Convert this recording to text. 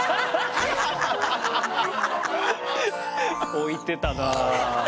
置いてたなあ。